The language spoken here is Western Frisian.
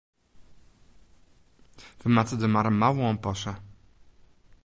We moatte der mar in mouwe oan passe.